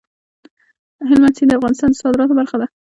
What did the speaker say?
هلمند سیند د افغانستان د صادراتو برخه ده.